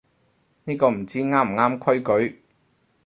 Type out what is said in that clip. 呢個唔知啱唔啱規矩